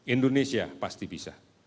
indonesia pasti bisa